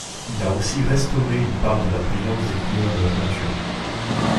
Il a aussi restauré une part de la brillance des couleurs de la peinture.